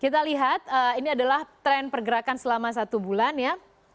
kita lihat ini adalah tren pergerakan selama satu bulan ya